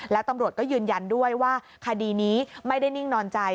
แล้วตำรวจก็ยืนยันด้วยว่าคดีนี้ไม่ได้นิ่งนอนใจ